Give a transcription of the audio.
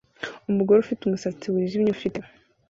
Umugore ufite umusatsi wijimye ufite